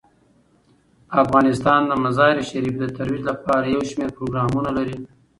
افغانستان د مزارشریف د ترویج لپاره یو شمیر پروګرامونه لري.